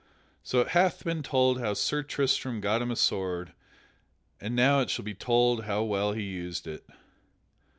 So it hath been told how Sir Tristram got him a sword, and now it shall be told how well he used it.